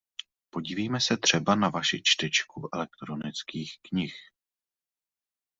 Podívejme se třeba na vaši čtečku elektronických knih.